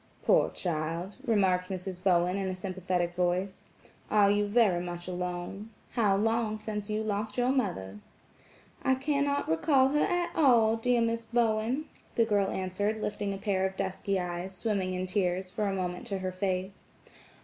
"Poor child," remarked Mrs. Bowen in a sympathetic voice, "are you very much alone? How long since you lost your mother?" "I cannot recall her at all, dear Mrs. Bowen," the girl answered, lifting a pair of dusky eyes, swimming in tears, for a moment to her face.